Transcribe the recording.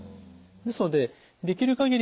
ですのでできる限り